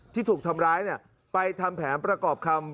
ที่ถูกทำร้ายไปทำแผนประกอบคำ